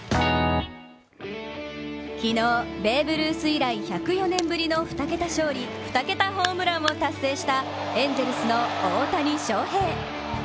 昨日、ベーブ・ルース以来、１０４年ぶりの２桁勝利・２桁ホームランを達成したエンゼルスの大谷翔平。